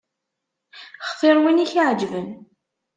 Xtir win i k-iɛeǧben.